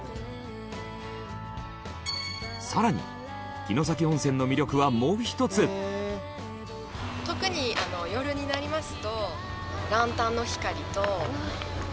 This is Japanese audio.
さらに城崎温泉の魅力はもう一つ。と思っています。